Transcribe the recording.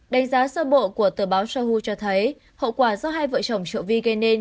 đánh giá sơ bộ của tờ báo shoi cho thấy hậu quả do hai vợ chồng trợ vi gây nên